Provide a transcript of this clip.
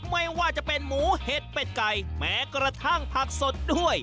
ไม่ว่าจะเป็นหมูเห็ดเป็ดไก่แม้กระทั่งผักสดด้วย